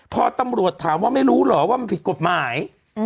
พอตำรวจถามว่าไม่รู้เหรอว่ามันผิดกฎหมาย